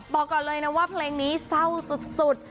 บอกก่อนเลยนะว่าเพลงนี้เศร้าสุด